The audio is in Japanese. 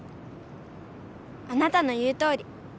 あなたの言うとおり。